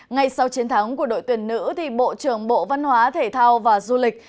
ngay sau chiến thắng của đội tuyển nữ bộ trưởng bộ văn hóa thể thao và du lịch